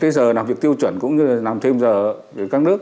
cái giờ làm việc tiêu chuẩn cũng như là làm thêm giờ của các nước